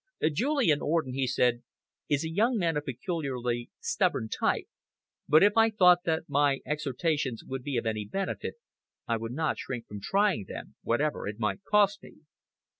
"Julian Orden," he said, "is a young man of peculiarly stubborn type, but if I thought that my exhortations would be of any benefit, I would not shrink from trying them, whatever it might cost me."